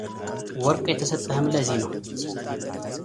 ወርቅ የተሰጠህም ለዚህ ነው፡፡